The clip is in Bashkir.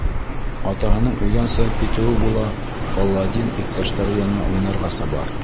Атаһының өйҙән сығып китеүе була, Аладдин иптәштәре янына уйнарға саба.